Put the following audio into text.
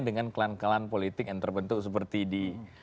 dengan klan klan politik yang terbentuk seperti di